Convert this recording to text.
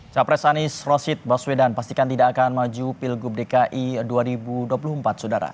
capres anies roshid baswedan pastikan tidak akan maju pilgub dki dua ribu dua puluh empat saudara